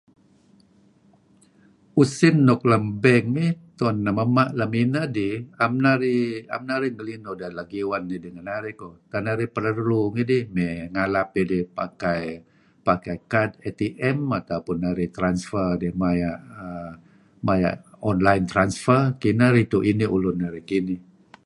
Usin nuk lem bank iih tu'en nemema' lem ineh dih. 'Em narih... 'em narih ngelinuh deh leh giwen idih ngen narih ko'. Tak narih perlu ngidih mey ngalap idih pakai...pakai kad ATM atau pun narih transfer idih maya'...[err], maya' online transfer. Kineh ridtu' inih, ulun ridtu' inih.